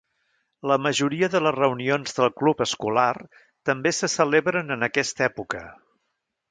La majoria de les reunions del club escolar també se celebren en aquesta època.